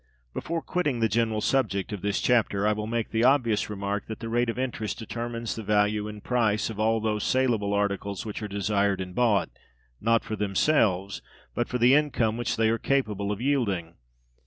Before quitting the general subject of this chapter, I will make the obvious remark that the rate of interest determines the value and price of all those salable articles which are desired and bought, not for themselves, but for the income which they are capable of yielding.